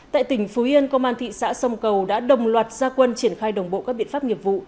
tại tỉnh phú yên công an thị xã sông cầu đã đồng loạt gia quân triển khai đồng bộ các biện pháp nghiệp vụ